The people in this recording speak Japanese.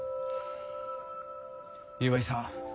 岩井さん